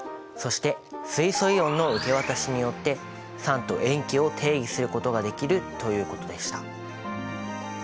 そして水素イオンの受け渡しによって酸と塩基を定義することができるということでした。